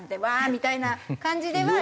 みたいな感じでは。